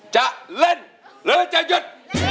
จะเล่นหรือจะหยุด